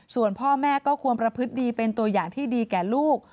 ส่วนพ่อแม่ก็ควรประพฤติดีเป็นตัวอย่างที่ดีแก่ลูก